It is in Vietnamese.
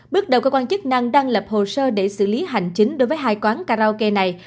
bước đầu cơ quan chức năng đang lập hồ sơ để xử lý hành chính đối với hai quán karaoke này